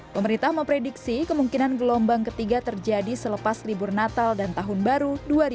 pemerintah memprediksi kemungkinan gelombang ketiga terjadi selepas libur natal dan tahun baru dua ribu dua puluh